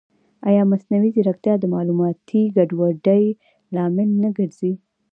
ایا مصنوعي ځیرکتیا د معلوماتي ګډوډۍ لامل نه ګرځي؟